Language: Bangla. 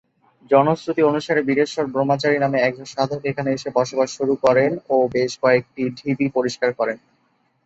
জনশ্রুতি অনুসারে, বীরেশ্বর-ব্রহ্মচারী নামক একজন সাধক এখানে এসে বসবাস শুরু করেন ও তিনি বেশ কয়েকটি ঢিবি পরিষ্কার করেন।